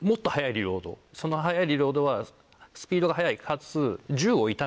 その速いリロードはスピードが速いかつ。